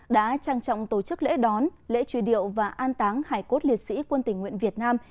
đã trang trọng tổ chức lễ đón lễ truy điệu và an táng hải cốt liệt sĩ quân tình nguyện việt nam